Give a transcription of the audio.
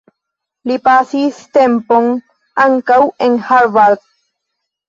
Li pasis tempon ankaŭ en Harvard.